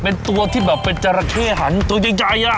เป็นตัวที่แบบเป็นจราเข้หันตัวใหญ่